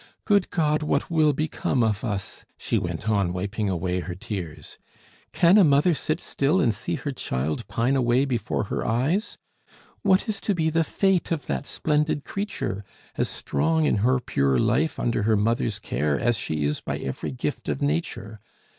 "Good God! what will become of us!" she went on, wiping away her tears. "Can a mother sit still and see her child pine away before her eyes? What is to be the fate of that splendid creature, as strong in her pure life under her mother's care as she is by every gift of nature?